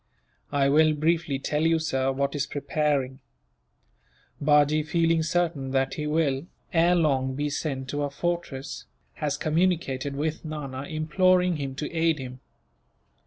"I will briefly tell you, sir, what is preparing. Bajee, feeling certain that he will, ere long, be sent to a fortress, has communicated with Nana, imploring him to aid him."